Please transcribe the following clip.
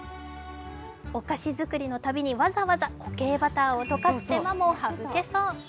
お菓子作りのたびにわざわざ固形バターを溶かす手間も省けそう。